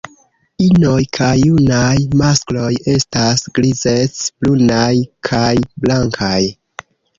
Inoj kaj junaj maskloj estas grizec-brunaj kaj blankaj.